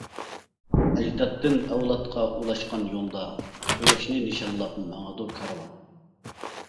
ئەجدادتىن ئەۋلادقا ئۇلاشقان يولدا، قۇياشنى نىشانلاپ ماڭىدۇ كارۋان.